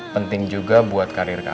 penting juga buat kadang kadang